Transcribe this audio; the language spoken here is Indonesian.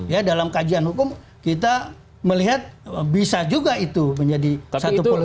ya dalam kajian hukum kita melihat bisa juga itu menjadi satu polusi